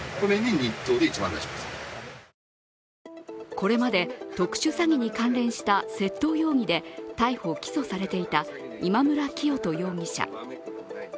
これまで特殊詐欺に関連した窃盗容疑で逮捕・起訴されていた今村磨人容疑者。